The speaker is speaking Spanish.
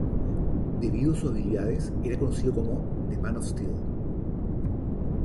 Debido a sus habilidades era conocido como "The Man of Steal".